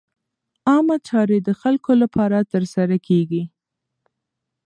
عامه چارې د خلکو لپاره ترسره کېږي.